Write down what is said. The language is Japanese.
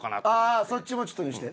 ああそっちもちょっと見せて。